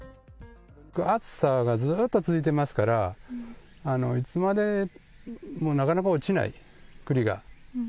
暑さがずっと続いてますから、いつまでもなかなか落ちない、栗が。